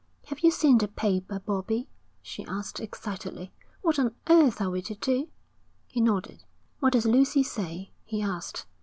'Have you seen the paper, Bobbie?' she asked excitedly. 'What on earth are we to do?' He nodded. 'What does Lucy say?' he asked.